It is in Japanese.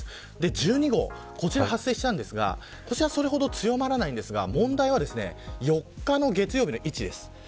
１２号こちら発生したんですがそれほど強まらないんですが問題は４日の月曜日の位置です。